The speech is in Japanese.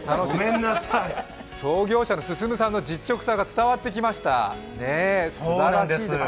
創業者の進さんの実直さが伝わってきました。